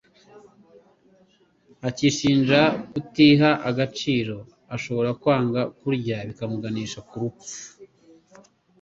akishinja kutiha agaciro. Ashobora kwanga kurya bigashobora ku muganisha ku rupfu